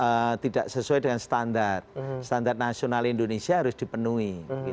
kalau tidak sesuai dengan standar standar nasional indonesia harus dipenuhi